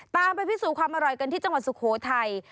ไปพิสูจน์ความอร่อยกันที่จังหวัดสุโขทัย